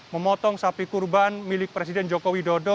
memotong sapi kurban milik presiden joko widodo